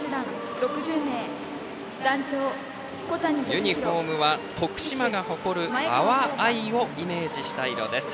ユニフォームは徳島が誇る阿波藍をイメージした色です。